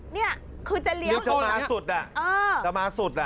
เนี้ยคือจะเลี้ยวจะมาสุดอ่ะเออจะมาสุดอ่ะ